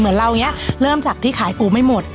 เหมือนเราเริ่มจากที่ขายปูหมายหมด